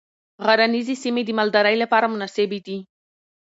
غرنیزې سیمې د مالدارۍ لپاره مناسبې دي.